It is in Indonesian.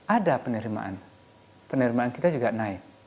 ada penerimaan penerimaan kita juga naik